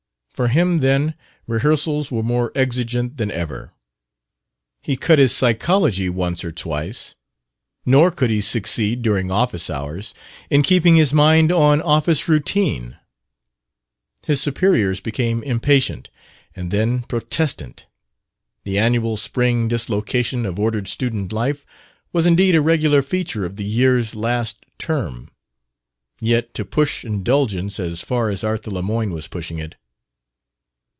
For him, then, rehearsals were more exigent than ever. He cut his Psychology once or twice, nor could he succeed, during office hours, in keeping his mind on office routine. His superiors became impatient and then protestant. The annual spring dislocation of ordered student life was indeed a regular feature of the year's last term; yet to push indulgence as far as Arthur Lemoyne was pushing it